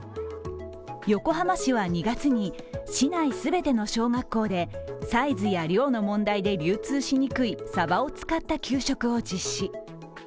横浜市は２月に市内全ての小学校でサイズや量の問題で流通しにくいさばを使った給食を実施。